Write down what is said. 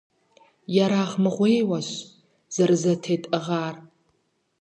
Ерагъмыгъуейуэщ зэрызэтетӀыгъар.